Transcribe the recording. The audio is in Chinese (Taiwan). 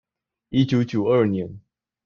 一九九二年